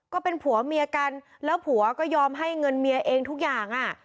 ก็เป็นผัวเมียกันแล้วผัวก็ยอมให้เงินเมียเองทุกอย่าง